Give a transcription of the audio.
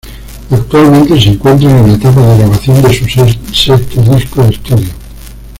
Actualmente se encuentran en la etapa de grabación de su sexto disco de estudio.